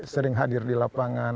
sering hadir di lapangan